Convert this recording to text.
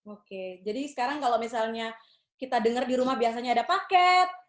oke jadi sekarang kalau misalnya kita dengar di rumah biasanya ada paket